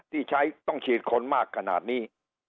ที่ใช้ต้องฉีดคนมากขนาดนี้